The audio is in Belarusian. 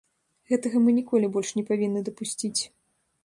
Гэтага мы ніколі больш не павінны дапусціць.